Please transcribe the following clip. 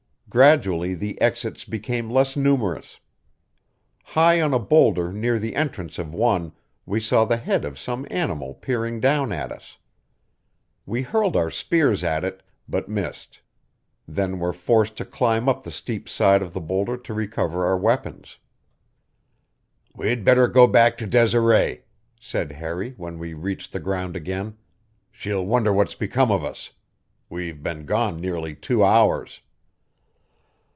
Gradually the exits became less numerous. High on a boulder near the entrance of one we saw the head of some animal peering down at us. We hurled our spears at it, but missed; then were forced to climb up the steep side of the boulder to recover our weapons. "We'd better go back to Desiree," said Harry when we reached the ground again. "She'll wonder what's become of us. We've been gone nearly two hours."